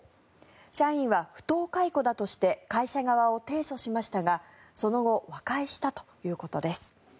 社員は不当解雇だとして会社側を提訴しましたがその後和解したということです。